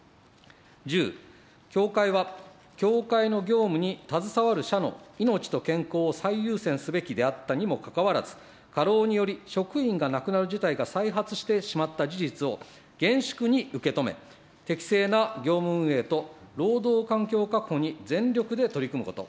１０、協会は協会の業務に携わる者の命と健康を最優先すべきであったにもかかわらず、過労により職員が亡くなる事態が再発してしまった事実を厳粛に受け止め、適正な業務運営と労働環境確保に全力で取り組むこと。